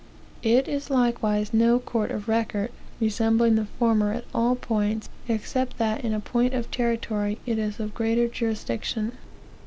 It is likewise no court of record, resembling the former at all points, except that in point of territory it is of greater jurisdiction.